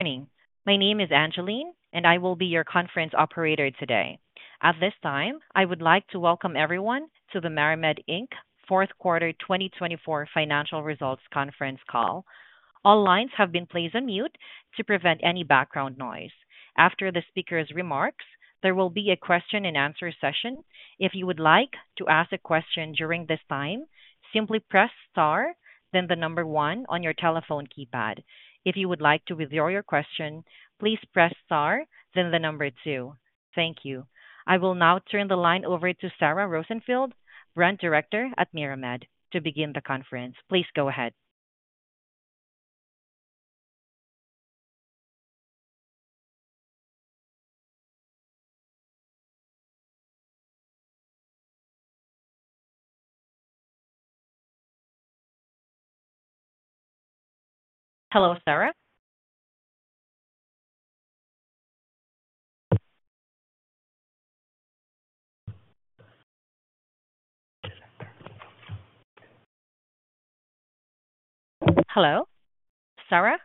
Morning. My name is Angeline, and I will be your conference operator today. At this time, I would like to welcome everyone to the MariMed Inc Fourth Quarter 2024 Financial Results Conference Call. All lines have been placed on mute to prevent any background noise. After the speaker's remarks, there will be a question-and-answer session. If you would like to ask a question during this time, simply press star, then the number one on your telephone keypad. If you would like to withdraw your question, please press star, then the number two. Thank you. I will now turn the line over to Sara Rosenfield, Brand Director at MariMed, to begin the conference. Please go ahead. Hello, Sara? Hello, Sara?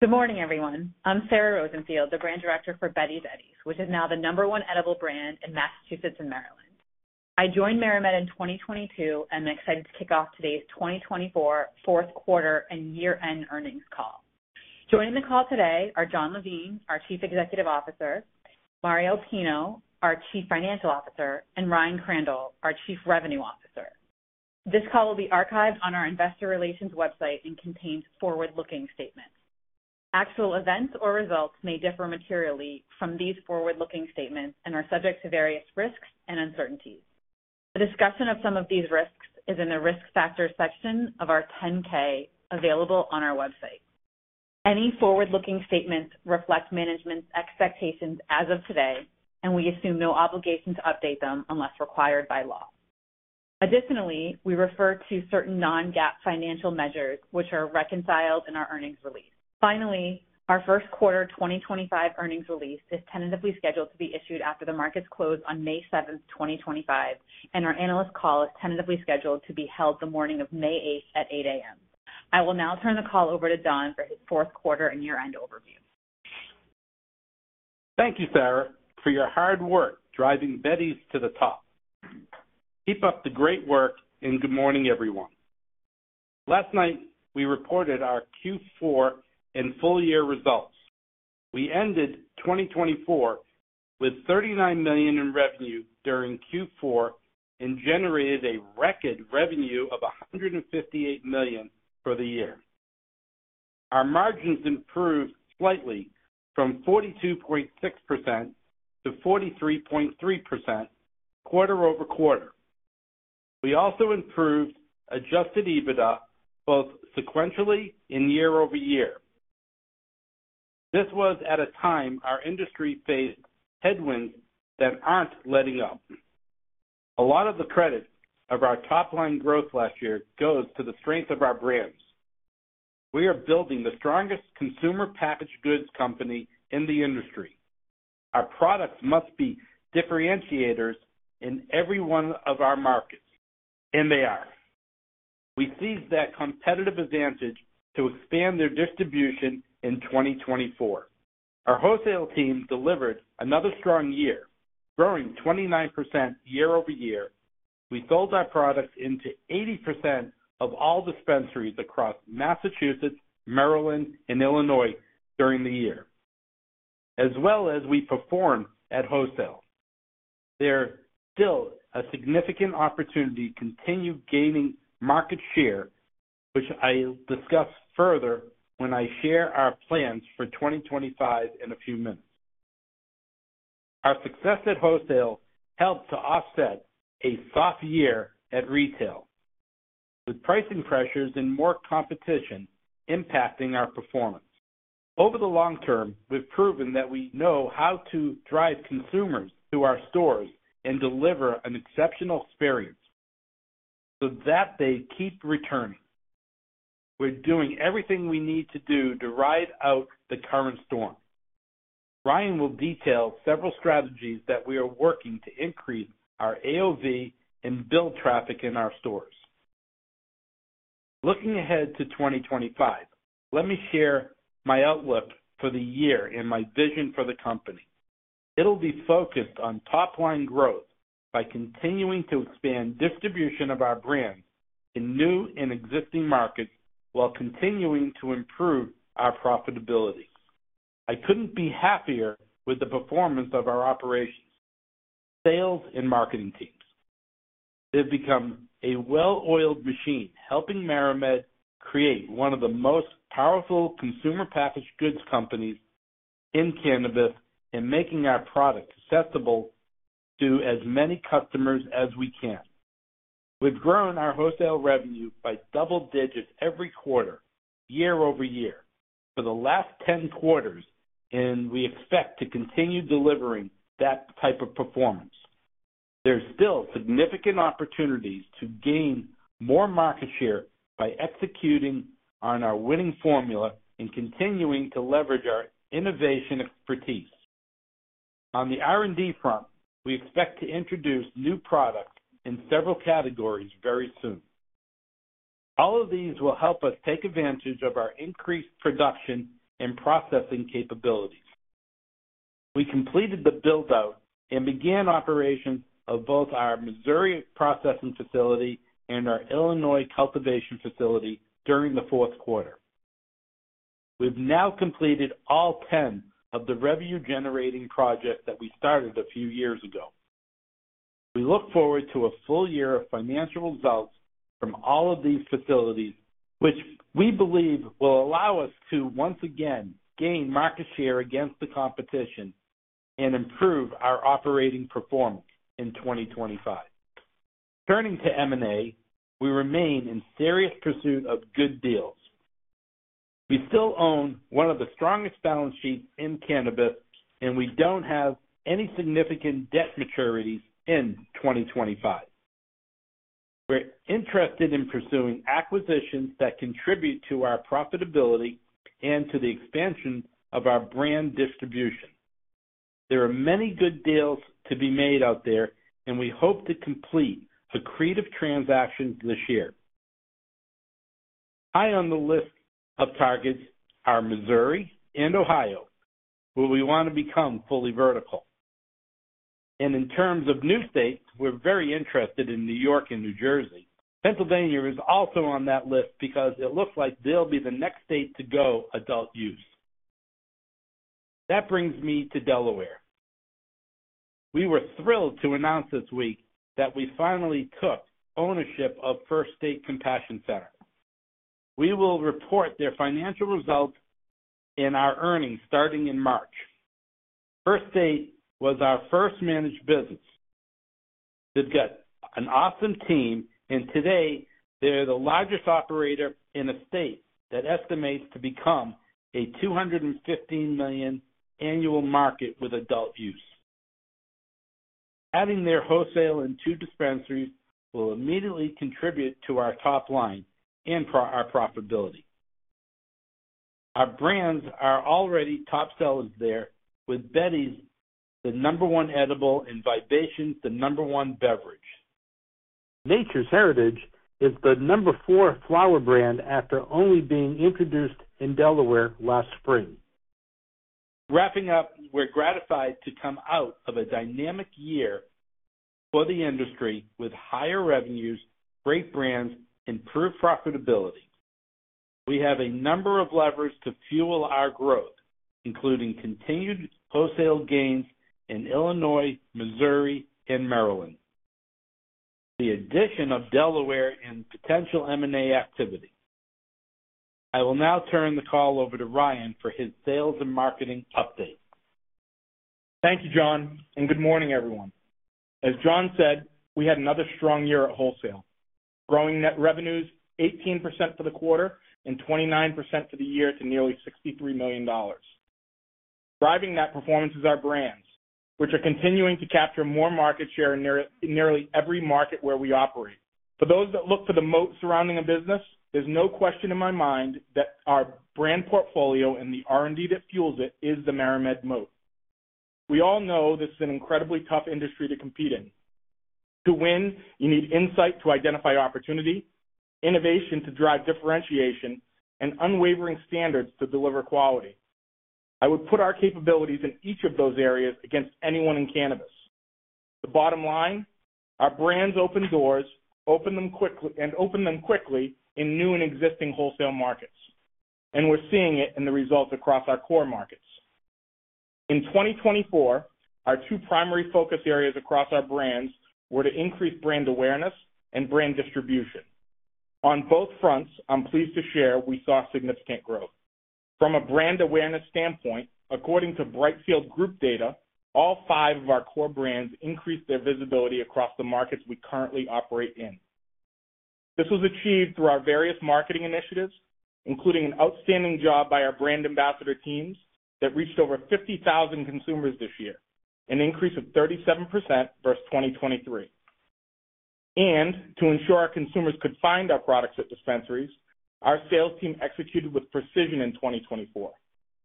Good morning, everyone. I'm Sara Rosenfield, the Brand Director for Betty's Eddies, which is now the number one edible brand in Massachusetts and Maryland. I joined MariMed in 2022, and I'm excited to kick off today's 2024 Fourth Quarter and Year-End Earnings Call. Joining the call today are Jon Levine, our Chief Executive Officer; Mario Pinho, our Chief Financial Officer; and Ryan Crandall, our Chief Revenue Officer. This call will be archived on our investor relations website and contains forward-looking statements. Actual events or results may differ materially from these forward-looking statements and are subject to various risks and uncertainties. The discussion of some of these risks is in the Risk Factor section of our 10-K available on our website. Any forward-looking statements reflect management's expectations as of today, and we assume no obligation to update them unless required by law. Additionally, we refer to certain non-GAAP financial measures, which are reconciled in our earnings release. Finally, our first quarter 2025 earnings release is tentatively scheduled to be issued after the markets close on May 7, 2025, and our analyst call is tentatively scheduled to be held the morning of May 8 at 8:00 A.M. I will now turn the call over to Jon for his fourth quarter and year-end overview. Thank you, Sara, for your hard work driving Betty's to the top. Keep up the great work, and good morning, everyone. Last night, we reported our Q4 and full-year results. We ended 2024 with $39 million in revenue during Q4 and generated a record revenue of $158 million for the year. Our margins improved slightly from 42.6% to 43.3% quarter-over-quarter. We also improved adjusted EBITDA both sequentially and year-over-year. This was at a time our industry faced headwinds that aren't letting up. A lot of the credit of our top-line growth last year goes to the strength of our brands. We are building the strongest consumer packaged goods company in the industry. Our products must be differentiators in every one of our markets, and they are. We seized that competitive advantage to expand their distribution in 2024. Our wholesale team delivered another strong year, growing 29% year-over-year. We sold our products into 80% of all dispensaries across Massachusetts, Maryland, and Illinois during the year, as well as we performed at wholesale. There is still a significant opportunity to continue gaining market share, which I will discuss further when I share our plans for 2025 in a few minutes. Our success at wholesale helped to offset a soft year at retail, with pricing pressures and more competition impacting our performance. Over the long term, we have proven that we know how to drive consumers to our stores and deliver an exceptional experience so that they keep returning. We are doing everything we need to do to ride out the current storm. Ryan will detail several strategies that we are working to increase our AOV and build traffic in our stores. Looking ahead to 2025, let me share my outlook for the year and my vision for the company. It'll be focused on top-line growth by continuing to expand distribution of our brands in new and existing markets while continuing to improve our profitability. I couldn't be happier with the performance of our operations, sales and marketing teams. They've become a well-oiled machine, helping MariMed create one of the most powerful consumer packaged goods companies in cannabis and making our products accessible to as many customers as we can. We've grown our wholesale revenue by double digits every quarter, year-over-year, for the last 10 quarters, and we expect to continue delivering that type of performance. There's still significant opportunities to gain more market share by executing on our winning formula and continuing to leverage our innovation expertise. On the R&D front, we expect to introduce new products in several categories very soon. All of these will help us take advantage of our increased production and processing capabilities. We completed the build-out and began operations of both our Missouri processing facility and our Illinois cultivation facility during the fourth quarter. We've now completed all 10 of the revenue-generating projects that we started a few years ago. We look forward to a full year of financial results from all of these facilities, which we believe will allow us to once again gain market share against the competition and improve our operating performance in 2025. Turning to M&A, we remain in serious pursuit of good deals. We still own one of the strongest balance sheets in cannabis, and we don't have any significant debt maturities in 2025. We're interested in pursuing acquisitions that contribute to our profitability and to the expansion of our brand distribution. There are many good deals to be made out there, and we hope to complete a creative transaction this year. High on the list of targets are Missouri and Ohio, where we want to become fully vertical. In terms of new states, we're very interested in New York and New Jersey. Pennsylvania is also on that list because it looks like they'll be the next state to go adult use. That brings me to Delaware. We were thrilled to announce this week that we finally took ownership of First State Compassion Center. We will report their financial results and our earnings starting in March. First State was our first managed business. They've got an awesome team, and today they're the largest operator in the state that estimates to become a $215 million annual market with adult use. Adding their wholesale and two dispensaries will immediately contribute to our top line and our profitability. Our brands are already top sellers there, with Betty's the number one edible and Vibations the number one beverage. Nature's Heritage is the number four flower brand after only being introduced in Delaware last spring. Wrapping up, we're gratified to come out of a dynamic year for the industry with higher revenues, great brands, and improved profitability. We have a number of levers to fuel our growth, including continued wholesale gains in Illinois, Missouri, and Maryland, with the addition of Delaware and potential M&A activity. I will now turn the call over to Ryan for his sales and marketing update. Thank you, Jon, and good morning, everyone. As Jon said, we had another strong year at wholesale, growing net revenues 18% for the quarter and 29% for the year to nearly $63 million. Driving that performance is our brands, which are continuing to capture more market share in nearly every market where we operate. For those that look for the moat surrounding a business, there's no question in my mind that our brand portfolio and the R&D that fuels it is the MariMed moat. We all know this is an incredibly tough industry to compete in. To win, you need insight to identify opportunity, innovation to drive differentiation, and unwavering standards to deliver quality. I would put our capabilities in each of those areas against anyone in cannabis. The bottom line: our brands open doors and open them quickly in new and existing wholesale markets, and we're seeing it in the results across our core markets. In 2024, our two primary focus areas across our brands were to increase brand awareness and brand distribution. On both fronts, I'm pleased to share we saw significant growth. From a brand awareness standpoint, according to Brightfield Group data, all five of our core brands increased their visibility across the markets we currently operate in. This was achieved through our various marketing initiatives, including an outstanding job by our brand ambassador teams that reached over 50,000 consumers this year, an increase of 37% versus 2023. To ensure our consumers could find our products at dispensaries, our sales team executed with precision in 2024,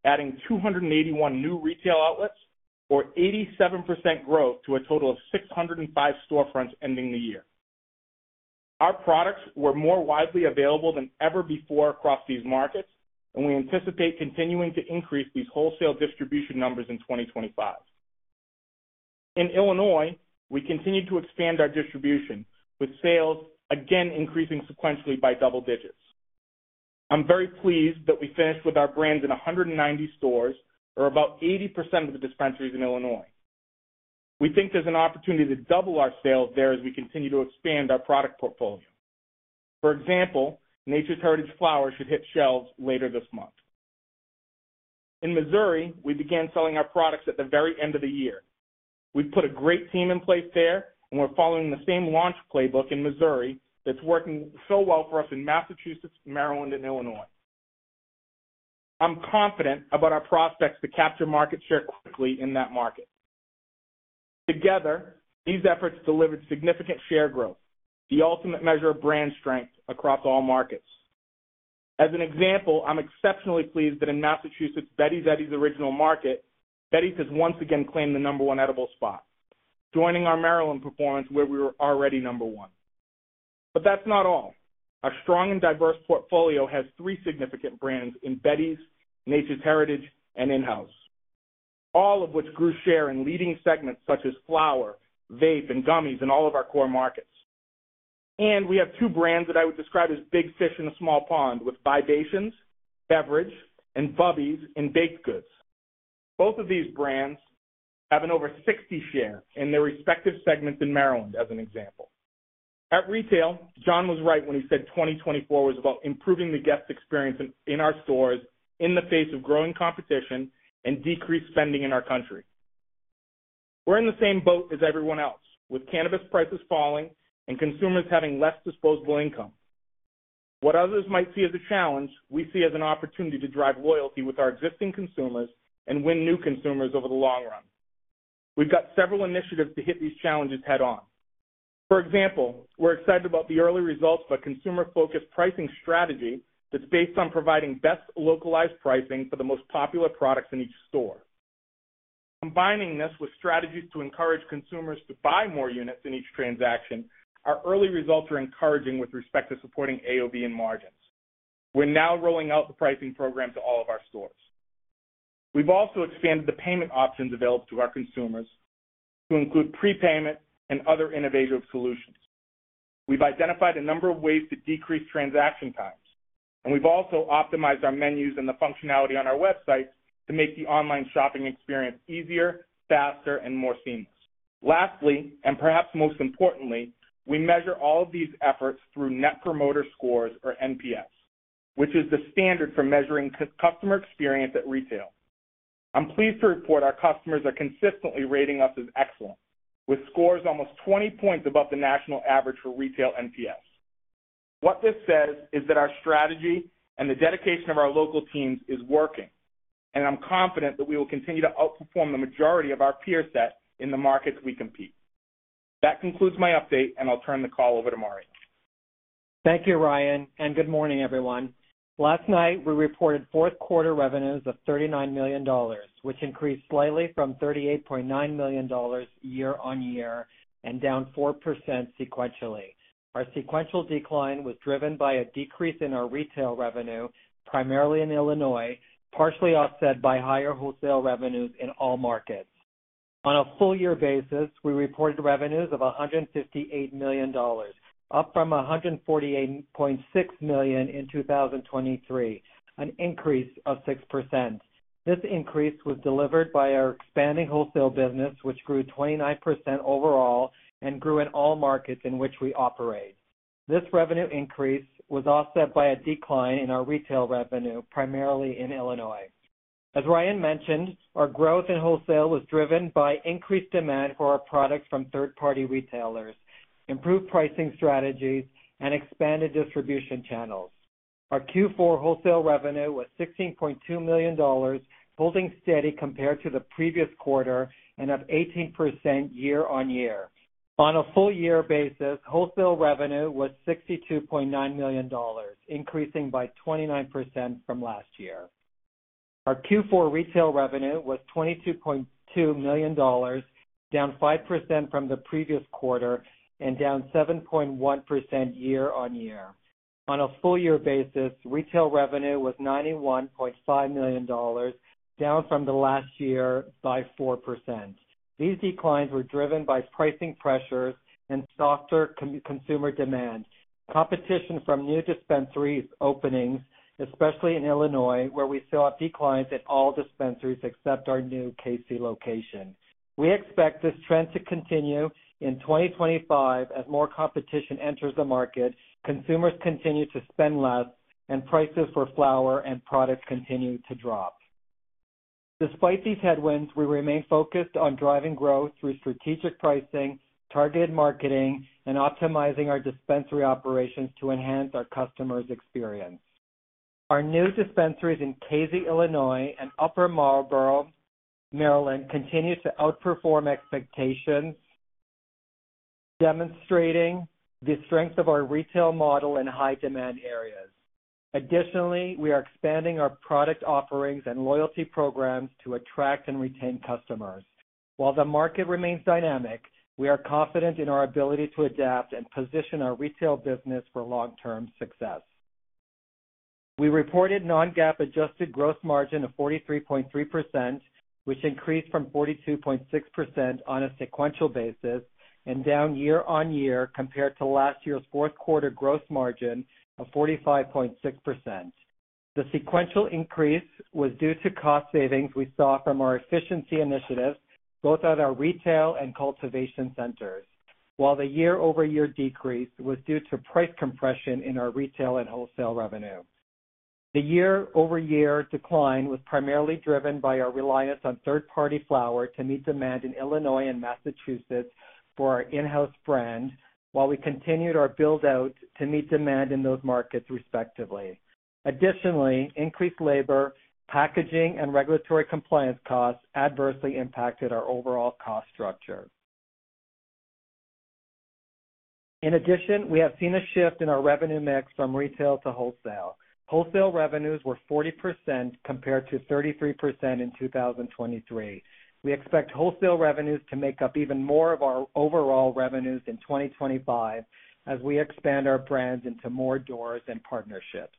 adding 281 new retail outlets or 87% growth to a total of 605 storefronts ending the year. Our products were more widely available than ever before across these markets, and we anticipate continuing to increase these wholesale distribution numbers in 2025. In Illinois, we continue to expand our distribution, with sales again increasing sequentially by double digits. I'm very pleased that we finished with our brands in 190 stores, or about 80% of the dispensaries in Illinois. We think there's an opportunity to double our sales there as we continue to expand our product portfolio. For example, Nature's Heritage Flower should hit shelves later this month. In Missouri, we began selling our products at the very end of the year. We've put a great team in place there, and we're following the same launch playbook in Missouri that's working so well for us in Massachusetts, Maryland, and Illinois. I'm confident about our prospects to capture market share quickly in that market. Together, these efforts delivered significant share growth, the ultimate measure of brand strength across all markets. As an example, I'm exceptionally pleased that in Massachusetts, Betty's Eddies' original market, Betty's has once again claimed the number one edible spot, joining our Maryland performance where we were already number one. Our strong and diverse portfolio has three significant brands in Betty's, Nature's Heritage, and InHouse, all of which grew share in leading segments such as flower, vape, and gummies in all of our core markets. We have two brands that I would describe as big fish in a small pond, with Vibations, beverage and 's in baked goods. Both of these brands have an over 60% share in their respective segments in Maryland, as an example. At retail, Jon was right when he said 2024 was about improving the guest experience in our stores in the face of growing competition and decreased spending in our country. We're in the same boat as everyone else, with cannabis prices falling and consumers having less disposable income. What others might see as a challenge, we see as an opportunity to drive loyalty with our existing consumers and win new consumers over the long run. We've got several initiatives to hit these challenges head-on. For example, we're excited about the early results of a consumer-focused pricing strategy that's based on providing best localized pricing for the most popular products in each store. Combining this with strategies to encourage consumers to buy more units in each transaction, our early results are encouraging with respect to supporting AOV and margins. We're now rolling out the pricing program to all of our stores. We've also expanded the payment options available to our consumers to include prepayment and other innovative solutions. We've identified a number of ways to decrease transaction times, and we've also optimized our menus and the functionality on our website to make the online shopping experience easier, faster, and more seamless. Lastly, and perhaps most importantly, we measure all of these efforts through Net Promoter Score, or NPS, which is the standard for measuring customer experience at retail. I'm pleased to report our customers are consistently rating us as excellent, with scores almost 20 points above the national average for retail NPS. What this says is that our strategy and the dedication of our local teams is working, and I'm confident that we will continue to outperform the majority of our peer set in the markets we compete. That concludes my update, and I'll turn the call over to Mario. Thank you, Ryan, and good morning, everyone. Last night, we reported fourth quarter revenues of $39 million, which increased slightly from $38.9 million year-on-year and down 4% sequentially. Our sequential decline was driven by a decrease in our retail revenue, primarily in Illinois, partially offset by higher wholesale revenues in all markets. On a full-year basis, we reported revenues of $158 million, up from $148.6 million in 2023, an increase of 6%. This increase was delivered by our expanding wholesale business, which grew 29% overall and grew in all markets in which we operate. This revenue increase was offset by a decline in our retail revenue, primarily in Illinois. As Ryan mentioned, our growth in wholesale was driven by increased demand for our products from third-party retailers, improved pricing strategies, and expanded distribution channels. Our Q4 wholesale revenue was $16.2 million, holding steady compared to the previous quarter and up 18% year-on-year. On a full-year basis, wholesale revenue was $62.9 million, increasing by 29% from last year. Our Q4 retail revenue was $22.2 million, down 5% from the previous quarter and down 7.1% year-on-year. On a full-year basis, retail revenue was $91.5 million, down from last year by 4%. These declines were driven by pricing pressures and softer consumer demand. Competition from new dispensary openings, especially in Illinois, where we saw declines at all dispensaries except our new Casey location. We expect this trend to continue in 2025 as more competition enters the market, consumers continue to spend less, and prices for flower and products continue to drop. Despite these headwinds, we remain focused on driving growth through strategic pricing, targeted marketing, and optimizing our dispensary operations to enhance our customers' experience. Our new dispensaries in Casey, Illinois and Upper Marlboro, Maryland, continue to outperform expectations, demonstrating the strength of our retail model in high-demand areas. Additionally, we are expanding our product offerings and loyalty programs to attract and retain customers. While the market remains dynamic, we are confident in our ability to adapt and position our retail business for long-term success. We reported non-GAAP adjusted gross margin of 43.3%, which increased from 42.6% on a sequential basis and down year-on-year compared to last year's fourth quarter gross margin of 45.6%. The sequential increase was due to cost savings we saw from our efficiency initiatives, both at our retail and cultivation centers, while the year-over-year decrease was due to price compression in our retail and wholesale revenue. The year-over-year decline was primarily driven by our reliance on third-party flower to meet demand in Illinois and Massachusetts for our InHouse brand, while we continued our build-out to meet demand in those markets respectively. Additionally, increased labor, packaging, and regulatory compliance costs adversely impacted our overall cost structure. In addition, we have seen a shift in our revenue mix from retail to wholesale. Wholesale revenues were 40% compared to 33% in 2023. We expect wholesale revenues to make up even more of our overall revenues in 2025 as we expand our brands into more doors and partnerships.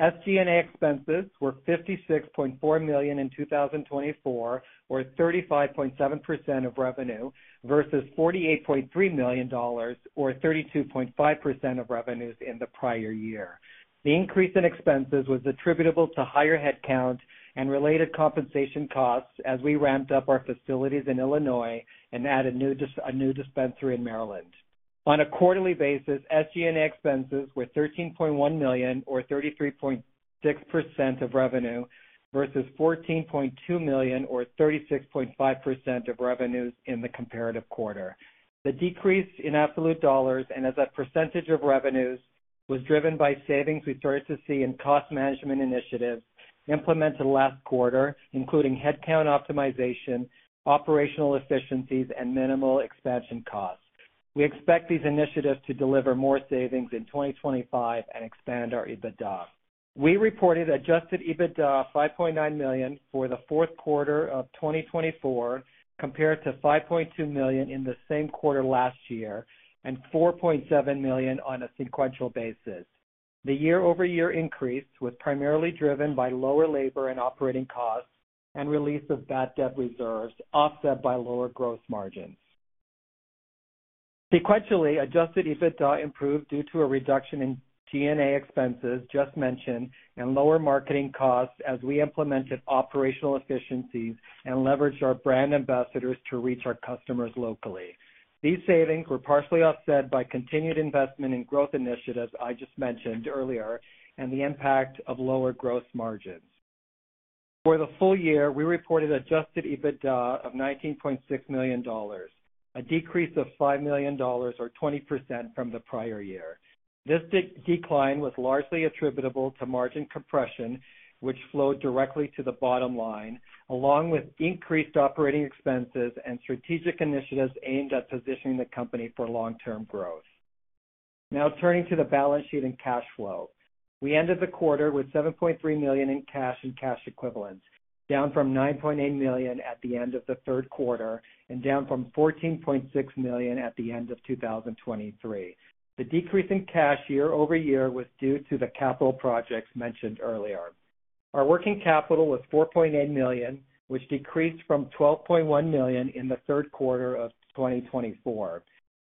SG&A expenses were $56.4 million in 2024, or 35.7% of revenue, versus $48.3 million, or 32.5% of revenues in the prior year. The increase in expenses was attributable to higher headcount and related compensation costs as we ramped up our facilities in Illinois and added a new dispensary in Maryland. On a quarterly basis, SG&A expenses were $13.1 million, or 33.6% of revenue, versus $14.2 million, or 36.5% of revenues in the comparative quarter. The decrease in absolute dollars and as a percentage of revenues was driven by savings we started to see in cost management initiatives implemented last quarter, including headcount optimization, operational efficiencies, and minimal expansion costs. We expect these initiatives to deliver more savings in 2025 and expand our EBITDA. We reported adjusted EBITDA of $5.9 million for the fourth quarter of 2024 compared to $5.2 million in the same quarter last year and $4.7 million on a sequential basis. The year-over-year increase was primarily driven by lower labor and operating costs and release of bad debt reserves, offset by lower gross margins. Sequentially, adjusted EBITDA improved due to a reduction in G&A expenses just mentioned and lower marketing costs as we implemented operational efficiencies and leveraged our brand ambassadors to reach our customers locally. These savings were partially offset by continued investment in growth initiatives I just mentioned earlier and the impact of lower gross margins. For the full year, we reported adjusted EBITDA of $19.6 million, a decrease of $5 million, or 20% from the prior year. This decline was largely attributable to margin compression, which flowed directly to the bottom line, along with increased operating expenses and strategic initiatives aimed at positioning the company for long-term growth. Now, turning to the balance sheet and cash flow. We ended the quarter with $7.3 million in cash and cash equivalents, down from $9.8 million at the end of the third quarter and down from $14.6 million at the end of 2023. The decrease in cash year-over-year was due to the capital projects mentioned earlier. Our working capital was $4.8 million, which decreased from $12.1 million in the third quarter of 2024.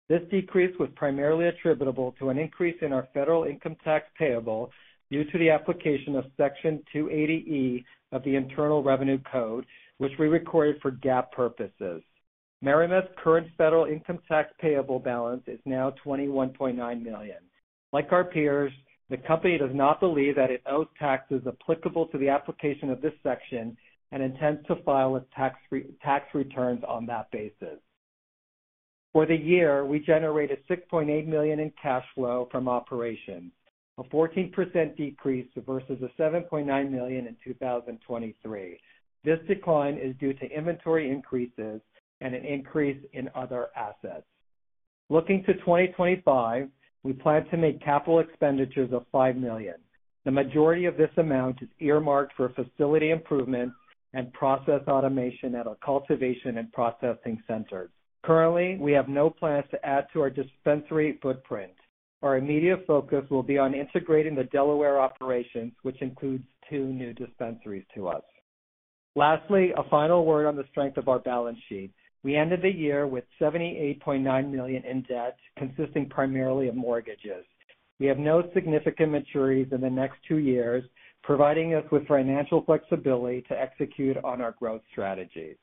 This decrease was primarily attributable to an increase in our federal income tax payable due to the application of Section 280E of the Internal Revenue Code, which we recorded for GAAP purposes. MariMed's current federal income tax payable balance is now $21.9 million. Like our peers, the company does not believe that it owes taxes applicable to the application of this section and intends to file its tax returns on that basis. For the year, we generated $6.8 million in cash flow from operations, a 14% decrease versus the $7.9 million in 2023. This decline is due to inventory increases and an increase in other assets. Looking to 2025, we plan to make capital expenditures of $5 million. The majority of this amount is earmarked for facility improvements and process automation at our cultivation and processing centers. Currently, we have no plans to add to our dispensary footprint. Our immediate focus will be on integrating the Delaware operations, which includes two new dispensaries to us. Lastly, a final word on the strength of our balance sheet. We ended the year with $78.9 million in debt, consisting primarily of mortgages. We have no significant maturities in the next two years, providing us with financial flexibility to execute on our growth strategy.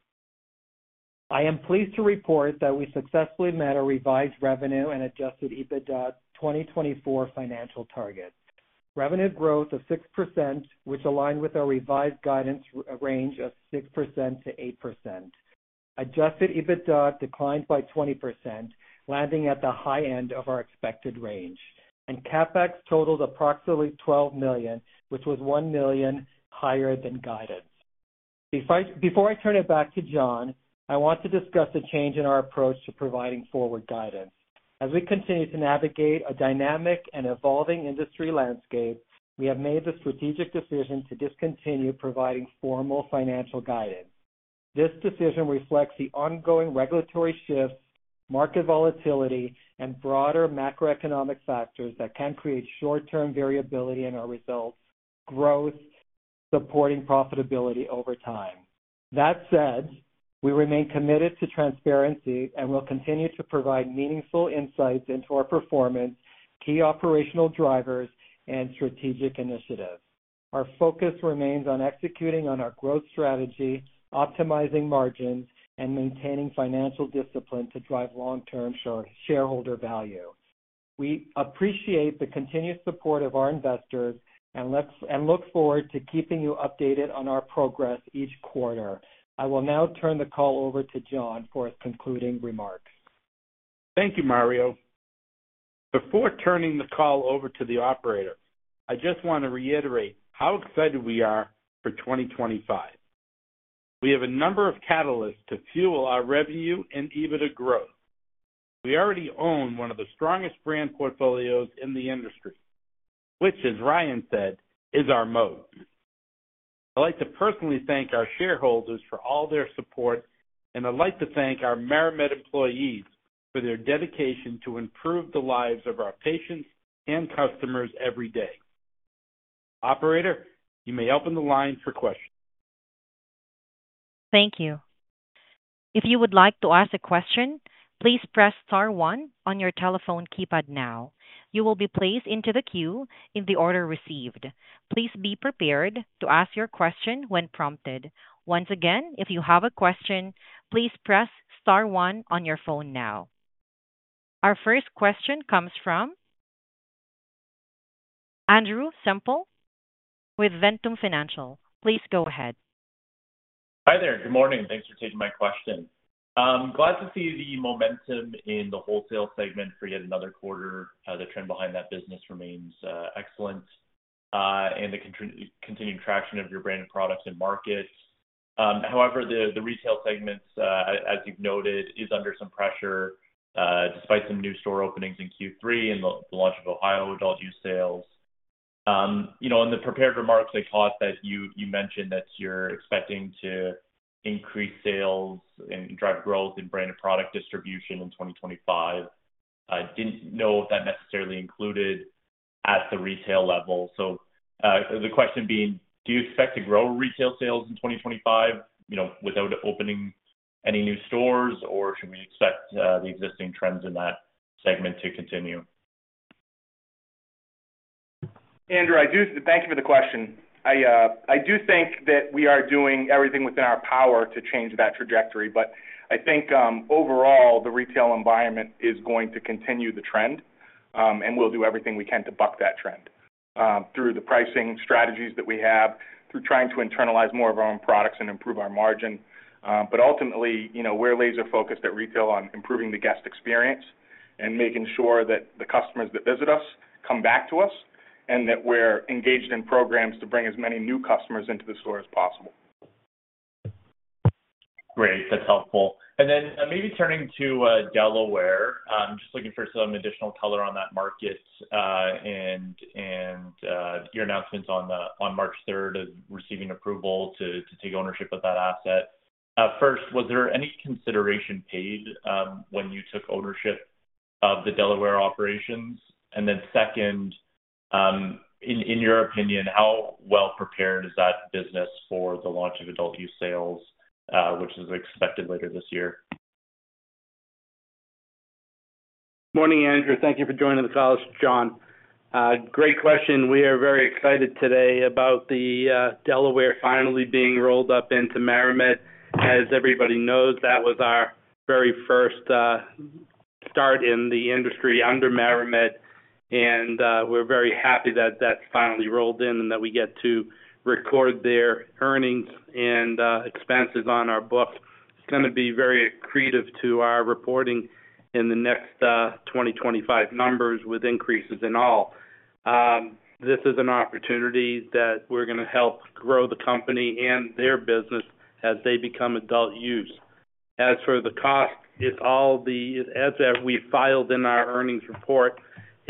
I am pleased to report that we successfully met our revised revenue and adjusted EBITDA 2024 financial target. Revenue growth of 6%, which aligned with our revised guidance range of 6%-8%. Adjusted EBITDA declined by 20%, landing at the high-end of our expected range. CapEx totaled approximately $12 million, which was $1 million higher than guidance. Before I turn it back to Jon, I want to discuss a change in our approach to providing forward guidance. As we continue to navigate a dynamic and evolving industry landscape, we have made the strategic decision to discontinue providing formal financial guidance. This decision reflects the ongoing regulatory shifts, market volatility, and broader macroeconomic factors that can create short-term variability in our results, growth, supporting profitability over time. That said, we remain committed to transparency and will continue to provide meaningful insights into our performance, key operational drivers, and strategic initiatives. Our focus remains on executing on our growth strategy, optimizing margins, and maintaining financial discipline to drive long-term shareholder value. We appreciate the continued support of our investors and look forward to keeping you updated on our progress each quarter. I will now turn the call over to Jon for his concluding remarks. Thank you, Mario. Before turning the call over to the operator, I just want to reiterate how excited we are for 2025. We have a number of catalysts to fuel our revenue and EBITDA growth. We already own one of the strongest brand portfolios in the industry, which, as Ryan said, is our moat. I'd like to personally thank our shareholders for all their support, and I'd like to thank our MariMed employees for their dedication to improve the lives of our patients and customers every day. Operator, you may open the line for questions. Thank you. If you would like to ask a question, please press star one on your telephone keypad now. You will be placed into the queue in the order received. Please be prepared to ask your question when prompted. Once again, if you have a question, please press star one on your phone now. Our first question comes from Andrew Semple with Ventum Financial. Please go ahead. Hi there. Good morning. Thanks for taking my question. I'm glad to see the momentum in the wholesale segment for yet another quarter. The trend behind that business remains excellent and the continued traction of your brand and products and markets. However, the retail segments, as you've noted, are under some pressure despite some new store openings in Q3 and the launch of Ohio adult-use sales. In the prepared remarks, I caught that you mentioned that you're expecting to increase sales and drive growth in brand and product distribution in 2025. I didn't know if that necessarily included at the retail level. The question being, do you expect to grow retail sales in 2025 without opening any new stores, or should we expect the existing trends in that segment to continue? Andrew, thank you for the question. I do think that we are doing everything within our power to change that trajectory. I think overall, the retail environment is going to continue the trend, and we'll do everything we can to buck that trend through the pricing strategies that we have, through trying to internalize more of our own products and improve our margin. Ultimately, we're laser-focused at retail on improving the guest experience and making sure that the customers that visit us come back to us and that we're engaged in programs to bring as many new customers into the store as possible. Great. That's helpful. Maybe turning to Delaware, just looking for some additional color on that market and your announcements on March 3rd of receiving approval to take ownership of that asset. First, was there any consideration paid when you took ownership of the Delaware operations? Second, in your opinion, how well prepared is that business for the launch of adult-use sales, which is expected later this year? Morning, Andrew. Thank you for joining the call, it's Jon. Great question. We are very excited today about Delaware finally being rolled up into MariMed. As everybody knows, that was our very first start in the industry under MariMed, and we're very happy that that's finally rolled in and that we get to record their earnings and expenses on our book. It's going to be very accretive to our reporting in the next 2025 numbers with increases in all. This is an opportunity that we're going to help grow the company and their business as they become adult use. As for the cost, as we filed in our earnings report,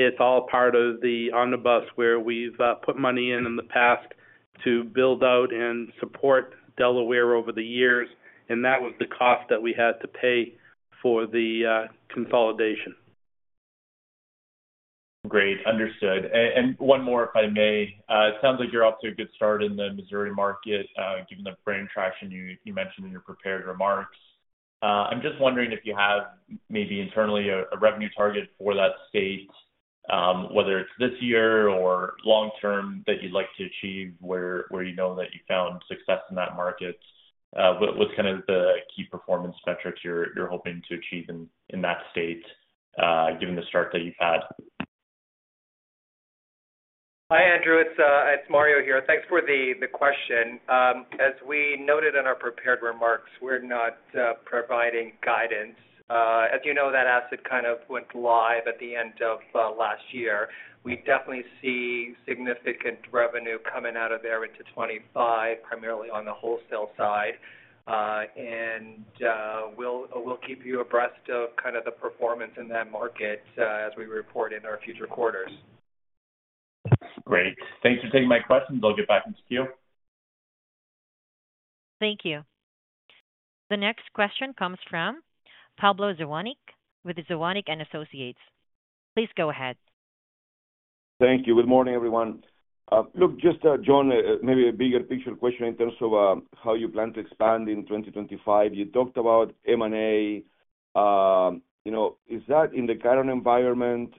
it's all part of the Omnibus where we've put money in in the past to build out and support Delaware over the years, and that was the cost that we had to pay for the consolidation. Great. Understood. One more, if I may. It sounds like you're off to a good start in the Missouri market, given the brand traction you mentioned in your prepared remarks. I'm just wondering if you have maybe internally a revenue target for that state, whether it's this year or long-term, that you'd like to achieve where you know that you found success in that market. What's kind of the key performance metrics you're hoping to achieve in that state, given the start that you've had? Hi, Andrew. It's Mario here. Thanks for the question. As we noted in our prepared remarks, we're not providing guidance. As you know, that asset kind of went live at the end of last year. We definitely see significant revenue coming out of there into 2025, primarily on the wholesale side. We will keep you abreast of kind of the performance in that market as we report in our future quarters. Great. Thanks for taking my questions. I'll get back into queue. Thank you. The next question comes from Pablo Zuanic with Zuanic & Associates. Please go ahead. Thank you. Good morning, everyone. Look, just to join maybe a bigger picture question in terms of how you plan to expand in 2025. You talked about M&A. Is that in the current environment?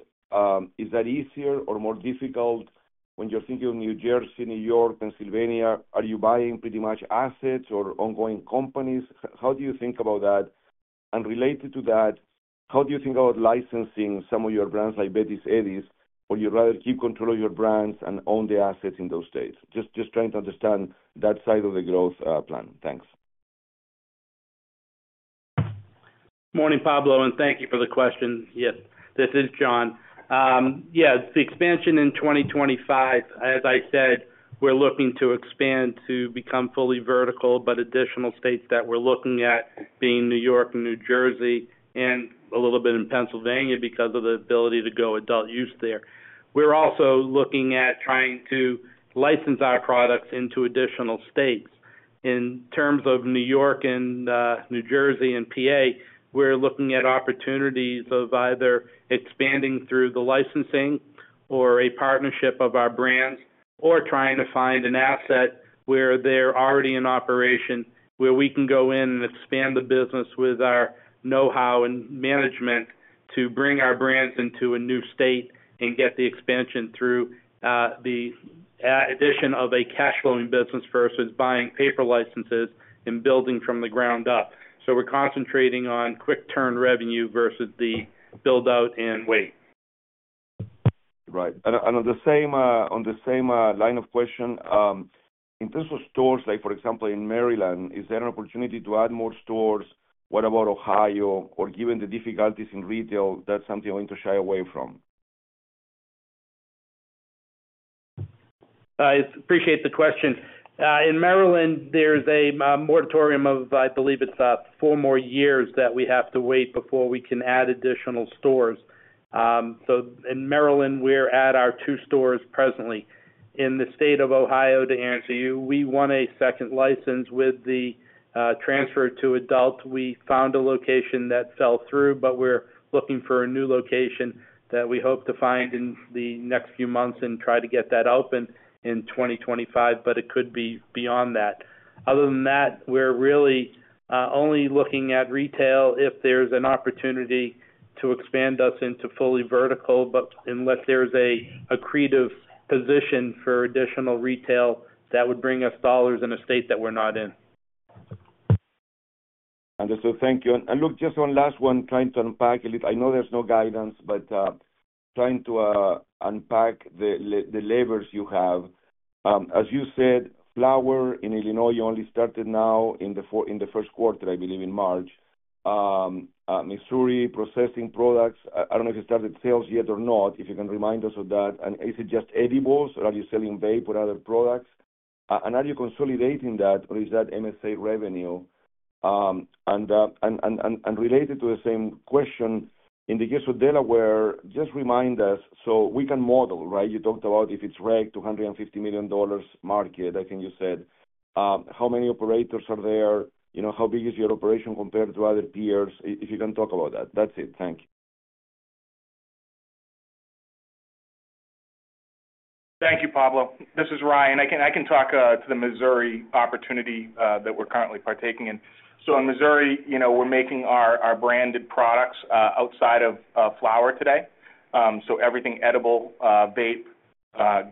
Is that easier or more difficult when you're thinking of New Jersey, New York, Pennsylvania? Are you buying pretty much assets or ongoing companies? How do you think about that? Related to that, how do you think about licensing some of your brands like Betty's Eddies, or you'd rather keep control of your brands and own the assets in those states? Just trying to understand that side of the growth plan. Thanks. Morning, Pablo, and thank you for the question. Yes, this is Jon. The expansion in 2025, as I said, we're looking to expand to become fully vertical, but additional states that we're looking at being New York and New Jersey and a little bit in Pennsylvania because of the ability to go adult use there. We're also looking at trying to license our products into additional states. In terms of New York and New Jersey and PA, we're looking at opportunities of either expanding through the licensing or a partnership of our brands or trying to find an asset where they're already in operation, where we can go in and expand the business with our know-how and management to bring our brands into a new state and get the expansion through the addition of a cash-flowing business versus buying paper licenses and building from the ground up. We're concentrating on quick-turn revenue versus the build-out and wait. Right. On the same line of question, in terms of stores, for example, in Maryland, is there an opportunity to add more stores? What about Ohio? Given the difficulties in retail, that's something you're going to shy away from? I appreciate the question. In Maryland, there's a moratorium of, I believe it's four more years that we have to wait before we can add additional stores. In Maryland, we're at our two stores presently. In the state of Ohio, to answer you, we want a second license with the transfer to adult. We found a location that fell through, but we're looking for a new location that we hope to find in the next few months and try to get that open in 2025, but it could be beyond that. Other than that, we're really only looking at retail if there's an opportunity to expand us into fully vertical, but unless there's a creative position for additional retail that would bring us dollars in a state that we're not in. Understood. Thank you. Look, just one last one trying to unpack a little. I know there's no guidance, but trying to unpack the levers you have. As you said, flower in Illinois only started now in the first quarter, I believe, in March. Missouri processing products, I don't know if you started sales yet or not, if you can remind us of that. Is it just edibles, or are you selling vape or other products? Are you consolidating that, or is that MSA revenue? Related to the same question, in the case of Delaware, just remind us so we can model, right? You talked about if it's REG, $250 million market, I think you said. How many operators are there? How big is your operation compared to other peers? If you can talk about that. That's it. Thank you. Thank you, Pablo. This is Ryan. I can talk to the Missouri opportunity that we're currently partaking in. In Missouri, we're making our branded products outside of flower today. Everything edible, vape,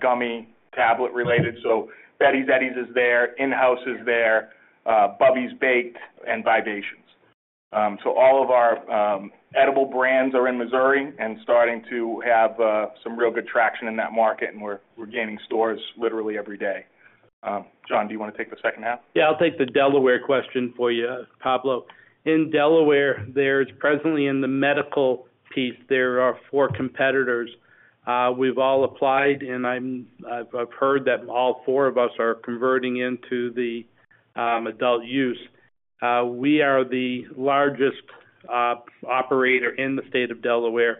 gummy, tablet-related. Betty's Eddies is there, InHouse is there, Bubby's Baked, and Vibations. All of our edible brands are in Missouri and starting to have some real good traction in that market, and we're gaining stores literally every day. Jon, do you want to take the second half? Yeah, I'll take the Delaware question for you, Pablo. In Delaware, there's presently in the medical piece, there are four competitors. We've all applied, and I've heard that all four of us are converting into the adult use. We are the largest operator in the state of Delaware,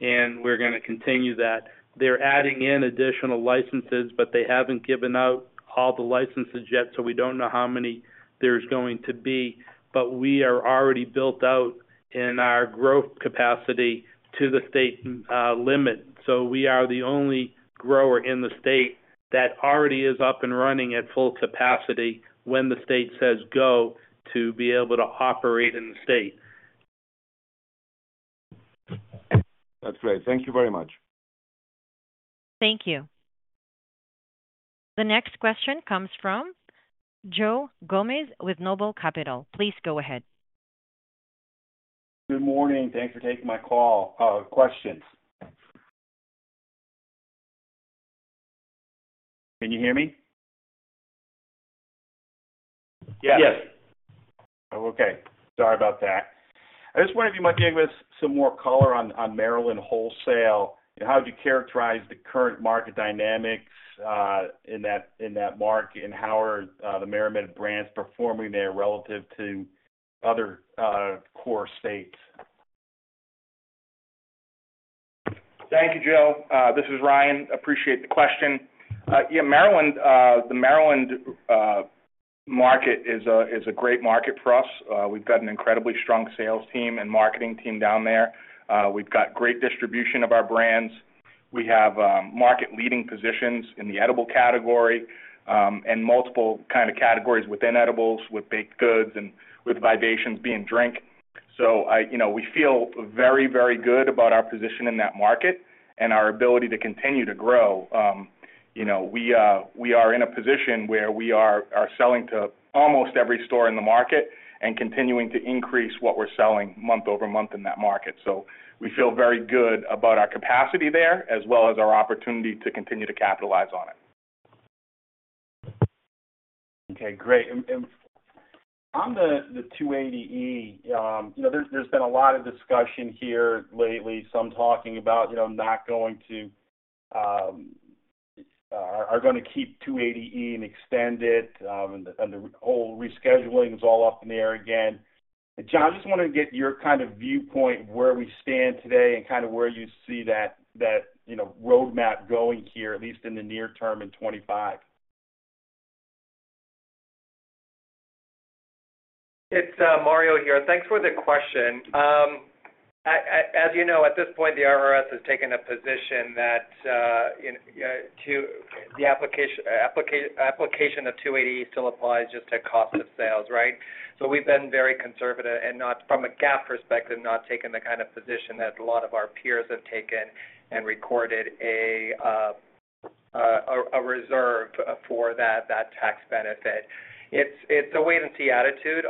and we're going to continue that. They're adding in additional licenses, but they haven't given out all the licenses yet, so we don't know how many there's going to be. We are already built out in our growth capacity to the state limit. We are the only grower in the state that already is up and running at full capacity when the state says go to be able to operate in the state. That's great. Thank you very much. Thank you. The next question comes from Joe Gomes with Noble Capital. Please go ahead. Good morning. Thanks for taking my call. Questions. Can you hear me? Yes. Oh, okay. Sorry about that. I just wonder if you might give us some more color on Maryland wholesale. How would you characterize the current market dynamics in that market, and how are the MariMed brands performing there relative to other core states? Thank you, Joe. This is Ryan. Appreciate the question. Yeah, Maryland, the Maryland market is a great market for us. We've got an incredibly strong sales team and marketing team down there. We've got great distribution of our brands. We have market-leading positions in the edible category and multiple kind of categories within edibles with baked goods and with Vibations being drink. We feel very, very good about our position in that market and our ability to continue to grow. We are in a position where we are selling to almost every store in the market and continuing to increase what we're selling month-over-month in that market. We feel very good about our capacity there as well as our opportunity to continue to capitalize on it. Okay. Great. On the 280E, there has been a lot of discussion here lately. Some are talking about not going to or going to keep 280E and extend it, and the whole rescheduling is all up in the air again. Jon, I just wanted to get your kind of viewpoint of where we stand today and kind of where you see that roadmap going here, at least in the near term in 2025. It's Mario here. Thanks for the question. As you know, at this point, the IRS has taken a position that the application of 280E still applies just to cost of sales, right? We have been very conservative and not, from a GAAP perspective, not taken the kind of position that a lot of our peers have taken and recorded a reserve for that tax benefit. It is a wait-and-see attitude,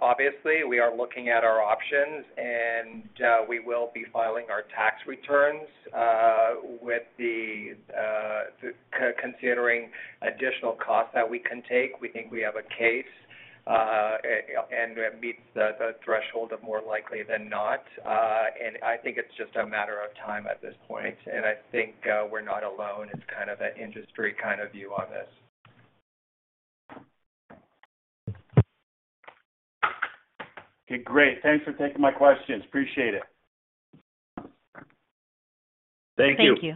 obviously. We are looking at our options, and we will be filing our tax returns with the considering additional costs that we can take. We think we have a case and it meets the threshold of more likely than not. I think it is just a matter of time at this point. I think we are not alone. It is kind of an industry kind of view on this. Okay. Great. Thanks for taking my questions. Appreciate it. Thank you.